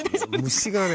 虫がね。